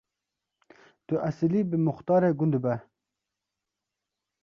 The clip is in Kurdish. Tu esîlî, bi muxtarê gund be.